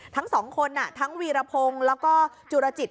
ทั้งสองคนทั้งวีรพงศ์แล้วก็จุรจิต